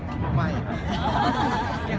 ไม่แล้วตอนนี้ขึ้น